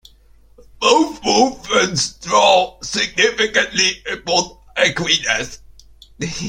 Both movements draw significantly upon Aquinas.